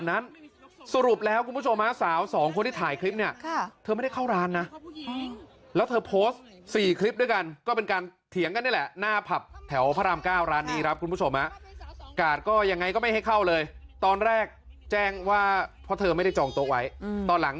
นั่งก็ใส่โนบราเหมือนกันทำไมเข้าได้ล่ะ